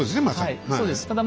はいそうです。